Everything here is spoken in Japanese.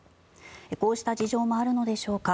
こうした事情もあるのでしょうか